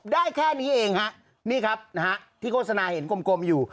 แค่นี้เองฮะนี่ครับนะฮะที่โฆษณาเห็นกลมอยู่